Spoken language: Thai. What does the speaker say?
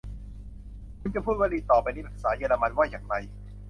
คุณจะพูดวลีต่อไปนี้เป็นภาษาเยอรมันว่าอย่างไร